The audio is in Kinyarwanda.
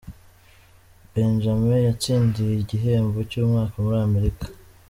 benjame yatsindiye igihembo cy’umwaka muri Amerika